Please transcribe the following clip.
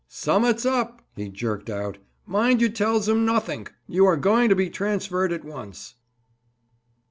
"Summat's up," he jerked out; "mind you tells em nothink. You're going to be transferred at once."